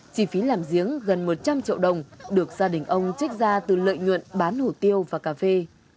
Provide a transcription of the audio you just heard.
chỉ phí làm giếng gần một trăm linh triệu đồng được gia đình ông trích ra từ lợi nhuận bán hủ tiêu và cà phê